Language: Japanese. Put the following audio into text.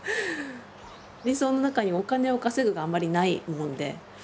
理想の中にお金を稼ぐがあんまりないもんで。